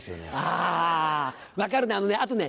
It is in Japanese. あ分かるなあのねあとね